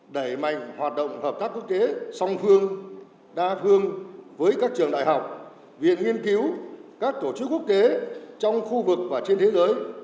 đẩy mạnh hoạt động hợp tác quốc tế song phương đa phương với các trường đại học viện nghiên cứu các tổ chức quốc tế trong khu vực và trên thế giới